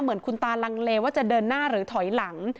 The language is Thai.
เหมือนคุณตาลังเลว่าจะเดินหน้าหรือถอยหลัง